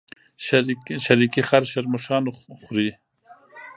شريکي خر شرمښآن خوري.